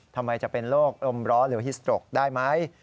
ทำไมจะเป็นโรคลมร้อนหรือฮิสโตรกได้ไหม